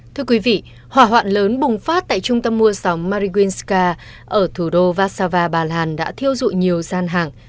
thưa quý vị hỏa hoạn lớn bùng phát tại trung tâm mua sống mariwinska ở thủ đô vassava bà làn đã thiêu dụi nhiều gian hàng